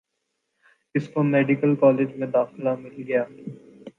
اس کو medical college میں داخلہ مل گیا